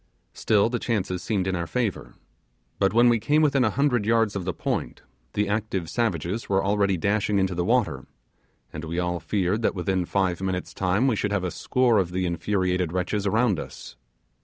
Still the chances seemed in our favour, but when we came within a hundred yards of the point, the active savages were already dashing into the water, and we all feared that within five minutes' time we should have a score of the infuriated wretches around us.